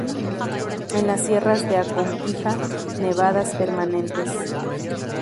En las sierras de Aconquija nevadas permanentes.